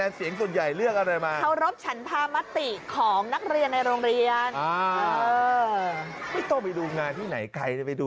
แต่อันนี้เลือกประธานักเรียนใช่ไหม